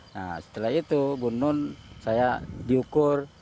nah setelah itu bunun saya diukur